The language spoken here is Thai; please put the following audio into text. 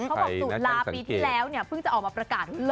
เขาบอกตุลาปีที่แล้วเพิ่งจะออกมาประกาศ